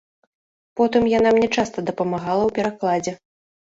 Потым яна мне часта дапамагала ў перакладзе.